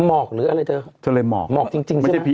หมอกหรืออะไรเจ้า